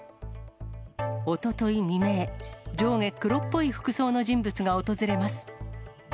おととい未明、上下黒っぽい服装の人物が訪れます。